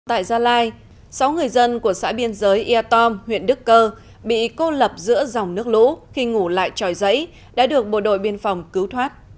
tại gia lai sáu người dân của xã biên giới ia tom huyện đức cơ bị cô lập giữa dòng nước lũ khi ngủ lại tròi giấy đã được bộ đội biên phòng cứu thoát